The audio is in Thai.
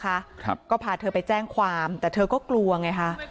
ครับก็พาเธอไปแจ้งความแต่เธอก็กลัวไงฮะ